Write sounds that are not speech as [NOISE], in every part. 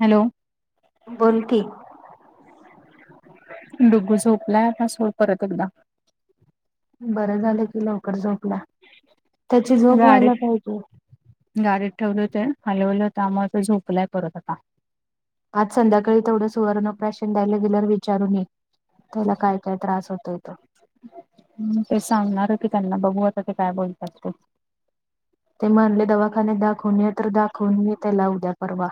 Hello! बोल की! डूग्गू झोपलाय पासो परत एकदा. बरं झालं की लवकर झोपला, त्याची झोप व्हायला गाडीत पाहिजे. गाडीत ठेवले होते हलवल होत त्यामुळं तो झोपलाय परत आता. आज संध्याकाळी तेवढं सुवर्ण प्राशन द्यायला गेल्यावर, विचारून ये त्याला काय, काय त्रास होतोय. तो. हूं ते सांगणार की त्यांना बघू आता ते काय बोलतात ते. ते म्हणले दवाखानेत दाखवून ये तर दाखवून ये त्याला उद्या परवा.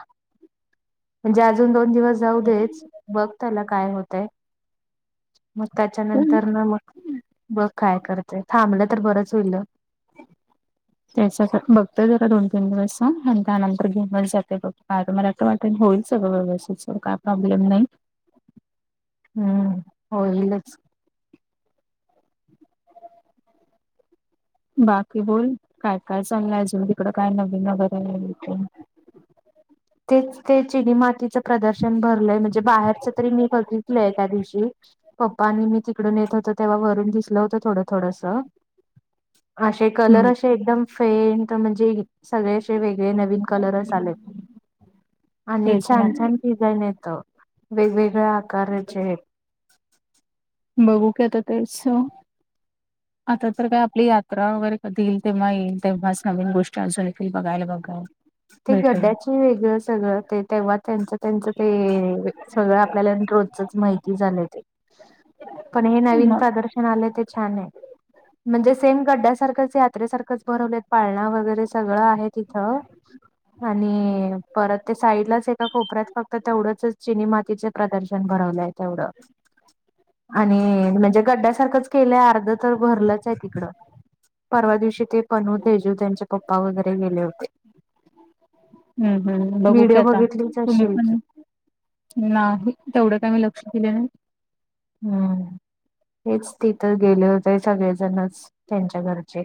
म्हणजे अजून दोन दिवस जाऊ देच, बघ त्याला काय होतय. म ते त्याच्यानंतर ना मग बघ. काय करतय थांबलं तर बरंच होईल अ. [INAUDIBLE] त्याचा त बघतोय जरा दोन तीन दिवस अ, आणि त्यानंतर घिऊनच जाते बघ. का मला असं वाटत होईल सगंळ व्यवस्थीत च काय प्रॉब्लेम नाही. हूं होईलच. हम [INAUDIBLE] बाकी बोल काय काय चालल अजून तिकड काय नवीन वगैरे तेच ते चिनी मातीचं प्रदर्शन भरलंय, म्हणजे बाहेरच तरी मी बघितलंय त्या दिवशी. पप्पा आणि मी तिकडून येत होत, तेव्हा वरून दिसलं होतं थोडं थोडसं. अशे कलर हम्म अशे एकदम फेंन्ट म्हणजे सगळे असे वेगळे नवीन कलरच आले. आणि तेच ना छान छान डिझाईन येत वेगवेगळ्या आकाराचे हे. बघू की आता तेच. [INAUDIBLE] आता तर काय आपली यात्रा वगैरे कधी येईल तेव्हा येईल, तेव्हाच नवीन गोष्टी अजून येतील बघायला बघाय. ती गड्डयाच. तु वेगळं सगळं ते तेव्हा त्यांच, त्यांच, ते सगळं आपल्याला रोजचच माहिती झालंय ते. [INAUDIBLE] पण हे नवीन मग प्रदर्शन आलय ते छान आहे, म्हणजे सेम गड्डयासारखंचं जत्रे सारखंच भरवले पाळणा वगैरे सगळं आहे तीथं. आणि परत त्या साईडलाच एका कोपऱ्यात फक्त तेवढंचच चिनी मातीच प्रदर्शन भरवलंयं तेवढं. आणि म्हणजे गड्डयासारखंच केलंय अर्ध तर भरलंच आहे तीकडं. परवा दिवशी ते पन हो तेजू त्यांचे पप्पा वगैरे गेले होते. हूं हूं बघू क व्हिडिओ आता बघितलीच तुम्ही असशील की. पण नाही तेवढं काय मी लक्ष दिले नही. हूं हेच तिथं गेले होते सगळेजणच त्यांच्या घरचे.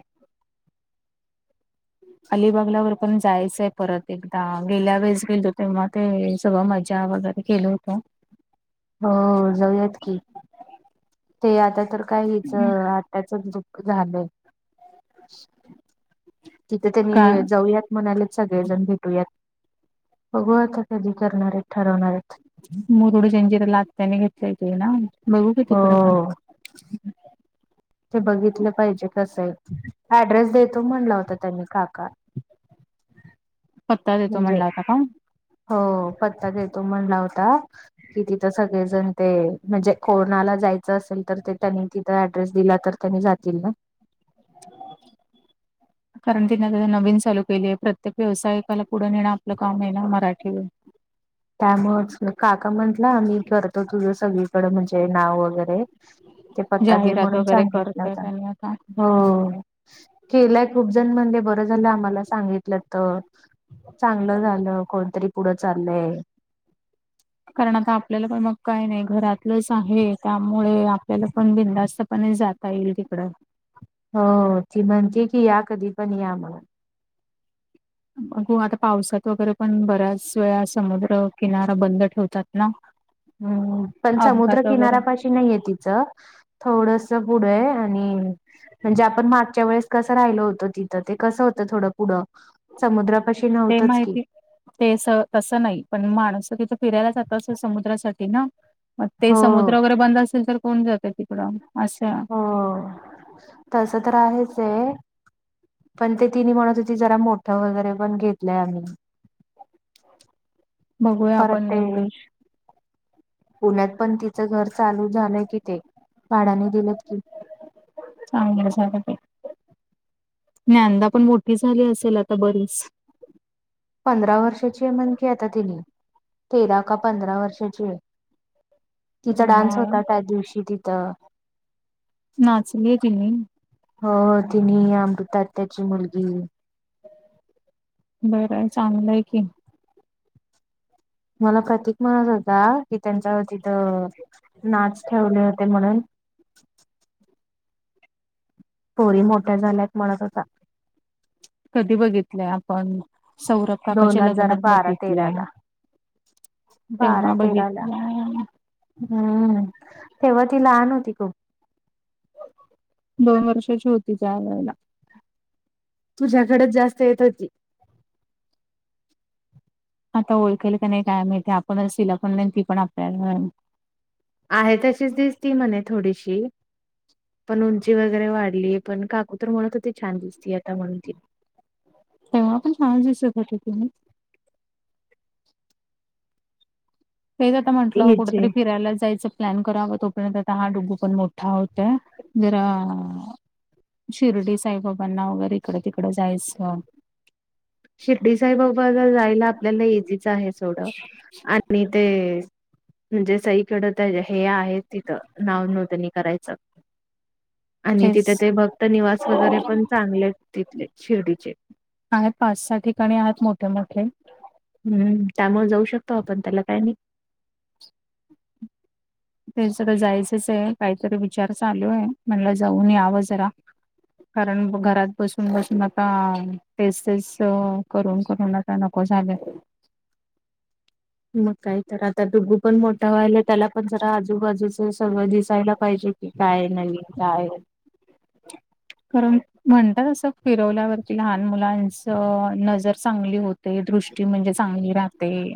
अलिबागलावर पण जायचंय परत एकदा गेल्या वेळेस गेल होते नां ते सगळं मजा बघत. गेलं होतं. हो हो जाऊयात की. ते आता तर काय हीच आत्या चच दुख झालंय. तिथ त का मी जाऊयात. म्हणालेत सगळेजण भेटूयात, बघु आता कधी करणार आहेत ठरवणार आहेत. मुरुड जंजीर्याला आत्यांनी घेतलेे ते ना बघू की तिकडे पण. हो ते बघितल पाहिजे कस हे ऍड्रेस देतो म्हनला होता त्यांनी काका पत्ता देतो म्हणजे म्हणला होता का हो पत्ता देतो म्हणला होता. कि तिथं सगळेजण ते म्हणजे कोनाला जायचं असेल, तर ते त्यांनी तिथं ऍड्रेस दिला तर त्यांनी जातील ना. [INAUDIBLE] कारण तिने तिथे नवीन चालू केली आहे, प्रत्येक व्यावसायिकाला पुढे नेंन आपलं काम आहे ना मराठीवर. त्यामुळेच काका म्हटल, मी करतो तुझं सगळीकडें म्हणजे नाव वगैरे. ते पत्ता दे जाहिरात म्हणून वगैरे छान घेतला करतय होता. त्यांनी आता हो केलाय खूपजण म्हणे ब कसं झाल आम्हाला सांगितलत, चांगल झाल कोणीतरी पुढ चाललंय. कारण आता आपल्याला पण, मग काय नाही घरात लस आहे, त्यामुळे आपल्याला पण बिंदास्तपणे जाता येईल तिकड. हो, ती म्हणते की, या कधी पण या म्हणुन हो आता पावसात वगैरे पण, बऱ्याच वेळा समुद्र किनारा बंद ठेवतात ना. हम्म पण अपघात वगैरे समुद्रकिनाऱ्यापाशी नाहीये तिच थोडस पुढ हाय आणि, म्हणजे आपण मागच्या वेळेस कसं राहिल होत तिथं, ते कस होतं थोड पुढं समुद्रापाशी ते नव्हतंच की माहिती ते अस, तसं नाही, पण माणसं तिथं फिरायला जातात अस समुद्रासाठी ना मग ते हो समुद्र वगैरे बंद असेल तर, कोण जाते तिकडं असं हो तस तर आहेच आहे ये. पण ते तिन म्हणत होती, जरा मोठं वगैरे पण घेतलंय आम्ही अबोध्य [UNINTELLIGIBLE] परत ते पुण्यात पण तिचं घर चालु झाल कि, ते भाड्याने दिलत कि. चांगल झाल बाई. ज्ञानदा पण मोठी झाली असेल आता बरीच पंधरा वर्षाची म्हणखी आता तिनी तेरा का पंधरा वर्षाची आहे. तिचा डान्स होता, त्याच दिवशी तिथं. नाचल ती हो तिने अमृता आत्याची मुलगी बर आहे, चांगलंय की मला प्रतीक म्हणत होता, की त्यांच्यावरतीथ नाच ठेवले होते म्हणून पोरी मोठ्या झाल्यात म्हणत होता. कधी बघितलंय आपण सौरभ दोन काकाच्या हजार लग्नात बारा बघितलंय, तेराला बारा तेव्हा तेराला बघितलंय. हम्म, तेव्हा ती लहान होती खुप. दोन वर्षाची होती त्या वेळेला. तुझ्याकडेच जास्त येत होती. आता ओळखेल का नाही, काय माहीत, आपणच तिला पण नाही, ती पण आपल्या नाही. आहे तशीच दिसते म्हणे थोडीशी. पण उंची वगैरे वाढली, पण काकु तर म्हणत होती छान दिसती आता म्हणुन ती तेव्हा पण छान दिसत होती ती नई.. तेच आता म्हटलं, कुठेतरी हिचे फिरायला जायचं. प्लॅन करावा तो पर्यंत आता हा डुगू पण, मोठा होतोय जरा शिर्डी साईबाबांना वगैरे इकड-तिकड जायच. शिर्डी साईबाबाला जायला आपल्याला इजीच आहे सोड, आणि ते म्हणजे सईकडं त्याज्या हे आहे तिथं, नाव नोंदणी करायचं. आणि तेच तिथ ते भक्त निवास वगैरे पण चांगलेत तिथले, शिर्डीचे. आहेत, पाच सहा ठिकाणे आहेत मोठे मोठे. हम्म त्यामुळ जाऊ शकतो आपण, त्याला काय नई. ते सगळ जायचंच हे, काहीतर विचार चालूय. म्हणल जाऊन यावं जरा. कारण ब घरात बसून बसून आता तेच तेच अ करून करून आ आता नको झालय. मग काय तर आता डुगु पण मोठा व्हायला त्याला पण जरा आजुबाजुच सगळं दिसायला पाहिजे. काय नवीन काय कारण म्हणतात असं फिरवल्यावरती लहान मुलांचं नजर चांगली हो - - ते दृष्टी म्हणजे चांगली राहते.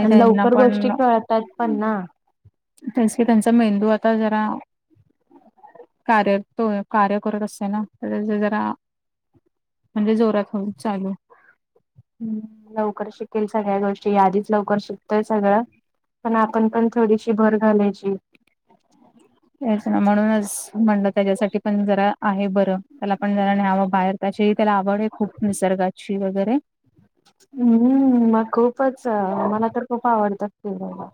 आणि लवकर गोष्टी कळतात पण ना. त्यास की त्यांचा मेंदू आता जरा कार्य तो कार्य करत असतो ना. तर त्याच जरा - - म्हणजे जोरात हळू चालू. हम. लवकर शिकेल सगळ्या गोष्टी आधीच लवकर शिकतोय सगळं पण आपण पण थोडीशी भर घालायची. तेच ना म्हणूनच म्हणलं तेज्यासाठी पण जरा आहे बरं त्याला पण जरा न्ह्यावं बाहेर. त्याचीही त्याला आवडए खूप निसर्गाची वगैरे. हम्म हं. मग खूपच मला तर खूप आवडत फिरायला.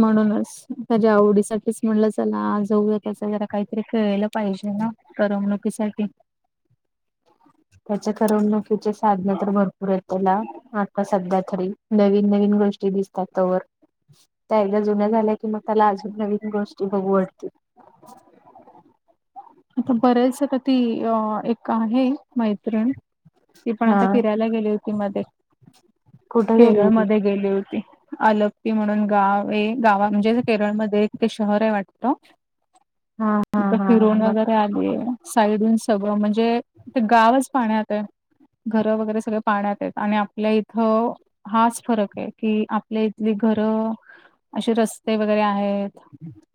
म्हणूनच त्याज्या आवडीसाठीच म्हणलं चला जाऊया तस जरा काही - - ते केल पाहिजे ना करमणुकीसाठी. त्याच्या करमणुकीचे साधन तर भरपूर आहेत त्याला आता सध्या - - तरी नवीन नवीन गोष्टी दिसतात तवर. त्या एकदा जुन्या झाल्या की मग त्याला अजून नवीन गोष्टी बघू वाटतील. इथुन बरेच आता ती अ एक आहे मैत्रिण. ती पण हा आता फिरायला गेली होती मदे. कुठं गेली केरळ होती मदे गेली होती. आलपी म्हणून गाव ए गावा म्हणजे असं केरळमध्ये एक ते शहराय वाटतं. हां. तिथ फिरून वगैरे आलीये. साईडहुन सगळं म्हणजे - - जे ते गावच पाण्यातयं घर वगैरे सगळे पाण्यातेत आणि आपल्या इथ हाच फरक हाय की आपल्या इथली घर, अशी रस्ते वगैरे आहेत. हं अम.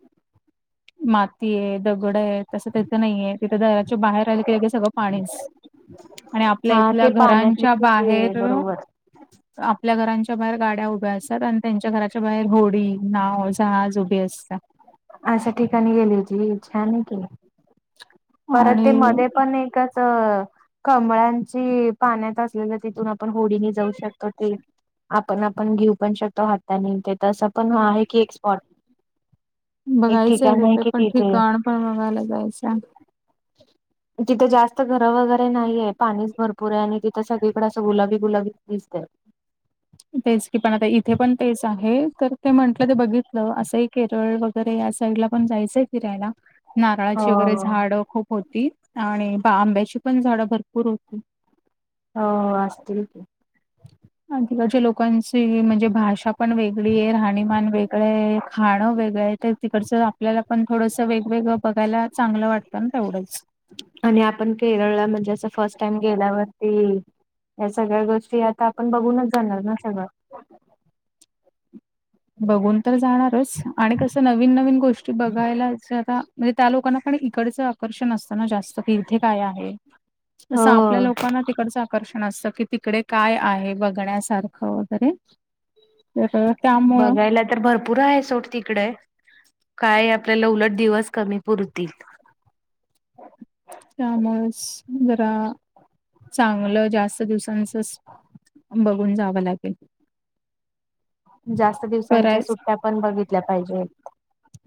माती हे दगड हेत अस असं नाहीये तिथं घराच्या बाहेर आलं की लगेच सगळं पाणीच. आणि आपल्या हा इथल्या ते घरांच्या पाण्यातली ते बाहेर - - बरोबर [UNINTELLIGIBLE] आपल्या घरांच्या बाहेर गाड्या उभ्या असतात आणि त्यांच्या घराच्या बाहेर होडी, नाव, जहाज उभी असत्या. अशा ठिकाणी गेली होती. छान हाय की. परत ते आणि मध्ये पण एक - - त कमळांची पाण्यात असलेल तिथून आपण होडीनी जाऊ शकतो ती - - आपण आपण घेऊ पण शकतो हातानी ते तसं पण आहे की एक स्पॉट. एक बघायचायं ठिकाण आहे ते कि पण तिथे ठिकाण पण बघायला जायचंय. [INAUDIBLE] तिथे जास्त घरं वगैरे नाहीये. पाणीच भरपूर आहे आणि तिथं सगळीकड असं गुलाबी गुलाबी दिसतय. तेच की पण आता इथे पण तेच आहे तर ते म्हंटलं ते बघितलं असंही केरळ बघ - - तर या साईड ला पण जायचंय फिरायला. हो नारळाची वगैरे झाड खूप होती आणि बा आंब्याची पण झाड भरपूर होती. होव असतील की. तिकडच्या लोकांची म्हणजे भाषा पण वेगळी ये राहणीमान वेगळं ये खाणं वेगळं ये, ते तिकडचं आपल्याला पण थोडंसं वेगवेगळं बघायला, चांगलं वाटतं ना तेवढंच. आणि आपण केरळला म्हणजे असं फस्ट टाइम गेल्यावरती या सगळ्या गोष्टी आता आपण बघूनच जाणार न सगळं. बघून तर जाणारच आणि कसं नवीन-नवीन गोष्टी बघायला जरा म्हणजे त्या लोकांना पण इकडचं आकर्षण असतं ना जास्त. इथे काय आहे, तसं आपल्या हो लोकांना तिकडचा आकर्षण असतं की तिकडे काय आहे बघण्यासारखं वगैरे, तर त्यामुळं बघायल्यात तर भरपूर आहे सोड तिकडे काय आपल्याला उलट दिवस कमी पुरतील. त्यामुळेच जरा - - चांगलं जास्त दिवसांचच बघून जावं लागेल. जास्त दिवसांच्या कराय सुट्टया पण बघितल्या पाहिजेत.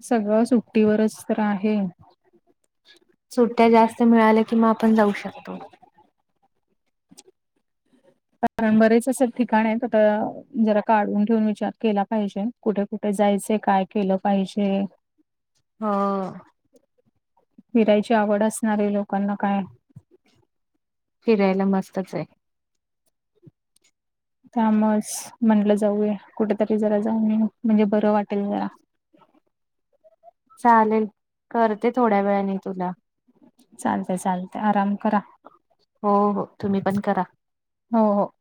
सगळं सुट्टीवरच तर आहे. सुट्ट्या जास्त मिळाल्या की, म् आपण जाऊ शकतो. कारण बरेच असे ठिकाण आहेत, आता जरा काढून ठेऊन विचार केला पाहिजे. कुठे कुठे जायचे, काय केलं पाहिजे? हां. फिरायची आवड असणाऱ्या लोकांना काय फिरायला मस्तच आहे. त्यामुळंच, म्हणलं जाऊया, कुठेतरी जरा जाऊन येऊ, म्हणजे बरं वाटेल जरा. चालेल, करते थोड्या वेळाने तुला. चालतंय चालतंय आराम करा. हो हो, तुम्ही पण करा. हो हो.